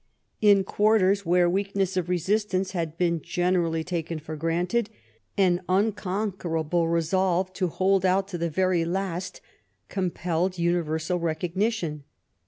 In quarters where weakness of resistance had been generally taken for granted an unconquer able resolve to hold out to the very last compelled uni versal recognition.